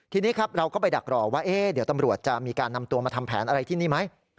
ทีนี้ครับเราก็ไปดักรอว่าเดี๋ยวตำรวจจะมีการนำตัวมาทำแผนอะไรที่นี่ไหม